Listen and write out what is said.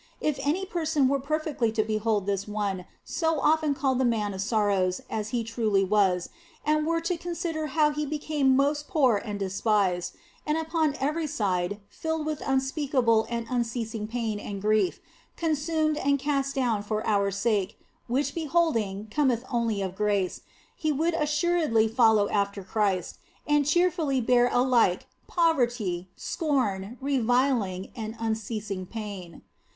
If any person were perfectly to behold this One, so often called the Man of Sorrows, as He truly was, and were to consider how He became most poor and despised, and upon every side filled with unspeakable and unceasing pain and grief, consumed and cast down for our sake (which beholding cometh only of grace), he would assuredly follow after Christ, and cheerfully bear alike poverty, scorn, reviling, and unceasing pain.